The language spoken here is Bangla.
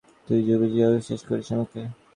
তুই বুঝি অবিশ্বাস করিস আমাকে?